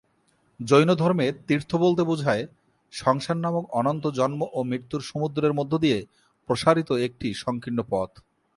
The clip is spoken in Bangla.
জৈনধর্মে ‘তীর্থ’ বলতে বোঝায় ‘সংসার নামক অনন্ত জন্ম ও মৃত্যুর সমুদ্রের মধ্যে দিয়ে প্রসারিত একটি সংকীর্ণ পথ’।